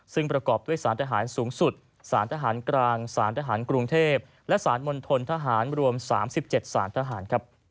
ซึ่งประกอบด้วยสารทหารสูงสุดสารทหารกลางสารทหารกรุงเทพและสารมณฑลทหารรวม๓๗สารทหาร